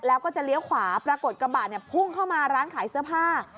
แล้วก็จะเลี้ยวขวาปรากฏกระบะเนี่ยพุ่งเข้ามาร้านขายเสื้อผ้า